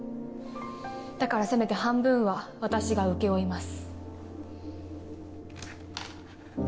だからせめて半分は私が請け負います。